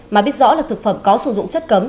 mà biết rõ là thực phẩm có sử dụng chất cấm